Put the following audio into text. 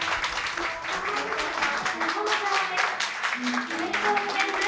おめでとうございます。